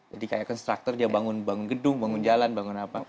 jadi kayak konstruktor dia bangun gedung bangun jalan bangun apa